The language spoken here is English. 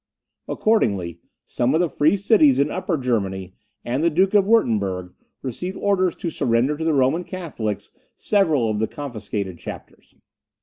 Accordingly, some of the free cities in Upper Germany, and the Duke of Wirtemberg, received orders to surrender to the Roman Catholics several of the confiscated chapters.